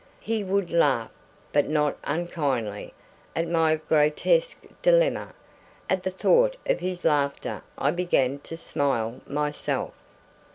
He would laugh, but not unkindly, at my grotesque dilemma; at the thought of his laughter I began to smile myself.